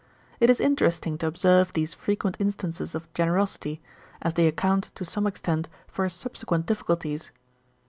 It is interesting to observe these frequent instances of generosity, as they account to some extent for his subsequent difficulties.